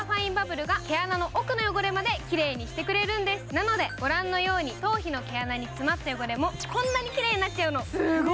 なので、ご覧のように頭皮の毛穴に詰まった汚れもこんなにきれいになっちゃうの。